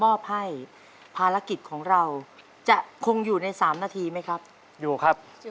มีตังค์มีตังค์มีตังค์